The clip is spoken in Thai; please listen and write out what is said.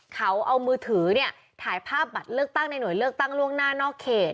เขาเอามือถือเนี่ยถ่ายภาพบัตรเลือกตั้งในหน่วยเลือกตั้งล่วงหน้านอกเขต